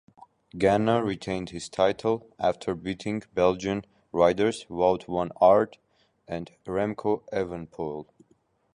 Ganna retained his title after beating Belgian riders Wout van Aert and Remco Evenepoel.